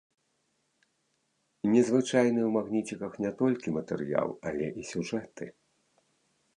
Незвычайны ў магніціках не толькі матэрыял, але і сюжэты.